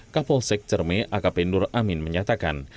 kapolsek cerme akp nur amin menyatakan